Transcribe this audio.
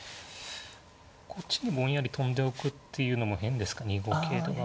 こっちにぼんやり跳んでおくっていうのも変ですか２五桂とか。